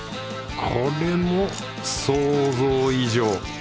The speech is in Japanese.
これも想像以上。